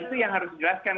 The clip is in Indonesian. ya itu yang harus dijelaskan